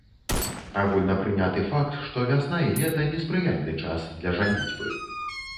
Агульнапрыняты факт, што вясна і лета неспрыяльны час для жаніцьбы.